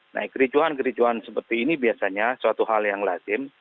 nah kericuhan kericuan seperti ini biasanya suatu hal yang lazim